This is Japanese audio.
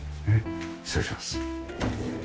失礼します。